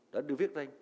đó đưa viết đây